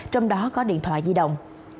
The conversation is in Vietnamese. trong đó có điện thoại di động